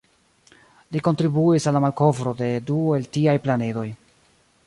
Li kontribuis al la malkovro de du el tiaj planedoj.